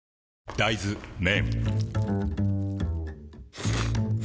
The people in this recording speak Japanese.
大豆麺